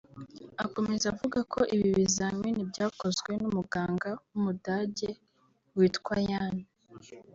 Akomeza avuga ko ibi bizamini byakozwe n’umuganga w’Umudage witwa Yan